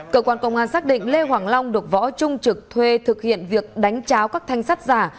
cơ quan công an xác định lê hoàng long được võ trung trực thuê thực hiện việc đánh cháo các thanh sắt giả